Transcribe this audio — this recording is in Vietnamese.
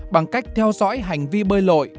bằng cách theo dõi hành vi bơi lội